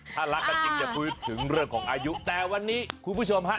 ถ้ารักกันจริงอย่าพูดถึงเรื่องของอายุแต่วันนี้คุณผู้ชมฮะ